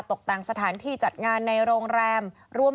ตกแต่งสถานที่จัดงานในโรงแรม